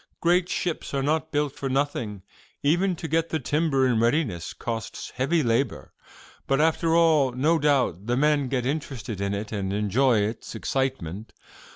Great ships are not built for nothing: even to get the timber in readiness costs heavy labor, but, after all, no doubt, the men get interested in it and enjoy its excitement.